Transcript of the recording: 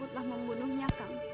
saya akan membunuhnya